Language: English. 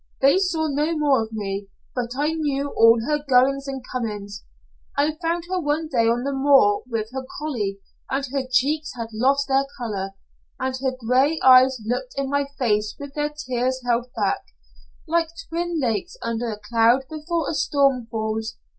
They saw no more of me, but I knew all her goings and comings. I found her one day on the moor, with her collie, and her cheeks had lost their color, and her gray eyes looked in my face with their tears held back, like twin lakes under a cloud before a storm falls.